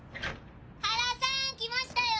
原さん来ましたよ！